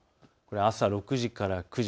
朝６時から９時。